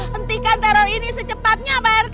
hentikan teror ini secepatnya pak rt